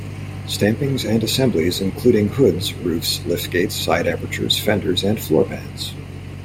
Stampings and assemblies including hoods, roofs, liftgates, side apertures, fenders and floor pans.